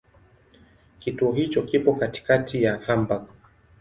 Kituo hicho kipo katikati ya Hamburg.